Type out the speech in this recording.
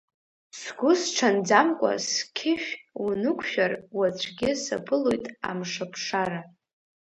Сгәы сҽанӡамкәа сқьышә унықәшәар, уаҵәгьы саԥылоит амшаԥ шара!